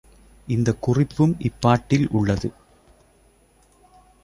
இந்தக் குறிப்பும் இப்பாட்டில் உள்ளது.